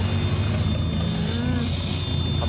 ขอบคุณครับ